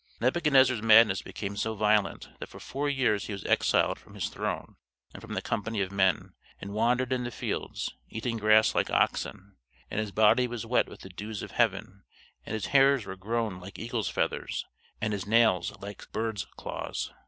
Nebuchadnezzar's madness became so violent that for four years he was exiled from his throne and from the company of men, and wandered in the fields, eating grass like oxen, "and his body was wet with the dews of heaven, and his hairs were grown like eagles' feathers, and his nails like birds' claws."